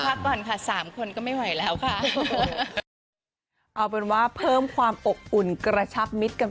เขาพักก่อนค่ะสามคนก็ไม่ไหวแล้วค่ะ